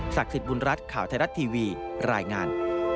สิทธิ์บุญรัฐข่าวไทยรัฐทีวีรายงาน